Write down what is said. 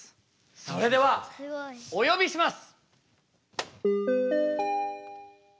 それではお呼びします。